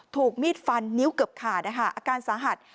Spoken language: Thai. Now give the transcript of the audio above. ถูกมีดฟันนิ้วเกือบขาดนะคะอาการสาหัส